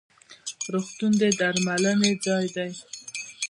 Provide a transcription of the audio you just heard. روغتون د درملنې ځای دی